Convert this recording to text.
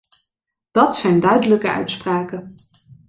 Dat zijn duidelijke uitspraken.